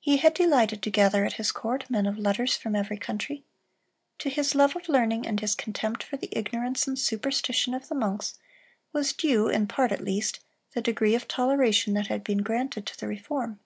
He had delighted to gather at his court men of letters from every country. To his love of learning and his contempt for the ignorance and superstition of the monks was due, in part at least, the degree of toleration that had been granted to the reform.